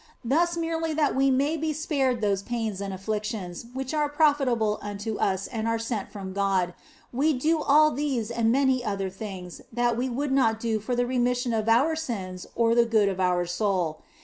Thus merely that we may be spared those pains and afflictions which are profitable unto us and are sent from God, we do all these and many other things which we would not do for the remission of our sins or the good of our soul.